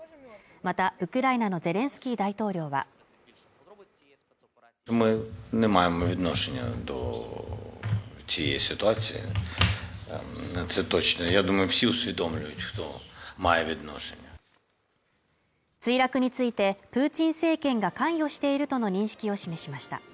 またウクライナのゼレンスキー大統領は墜落についてプーチン政権が関与しているとの認識を示しました